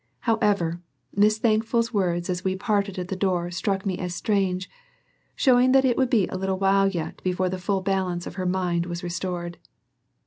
However, Miss Thankful's words as we parted at the door struck me as strange, showing that it would be a little while yet before the full balance of her mind was restored.